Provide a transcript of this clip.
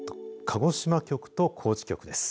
鹿児島局と高知局です。